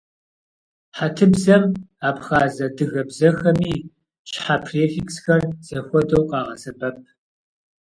Хьэтыбзэми абхъаз-адыгэ бзэхэми щхьэ префиксхэр зэхуэдэу къагъэсэбэп.